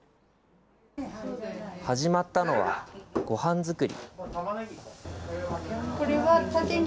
始まったのは、ごはん作り。